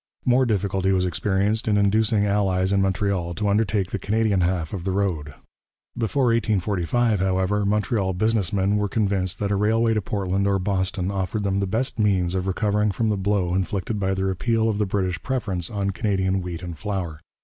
More difficulty was experienced in inducing allies in Montreal to undertake the Canadian half of the road. Before 1845, however, Montreal business men were convinced that a railway to Portland or Boston offered them the best means of recovering from the blow inflicted by the repeal of the British preference on Canadian wheat and flour.